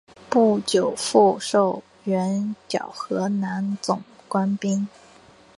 不久复授援剿河南总兵官。